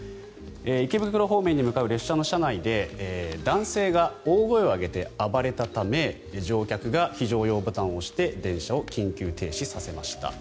池袋方面に向かう列車の車内で男性が大声を上げて暴れたため乗客が非常用ボタンを押して電車を緊急停止させました。